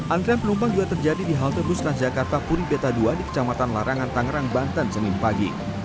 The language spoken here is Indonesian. antrian penumpang juga terjadi di halte bus transjakarta puri beta ii di kecamatan larangan tangerang banten senin pagi